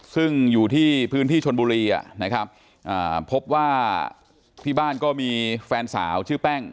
ซึ่งอยู่ที่พื้นที่ชนบุรีนะครับพบว่าที่บ้านก็มีแฟนสาวชื่อแป้ง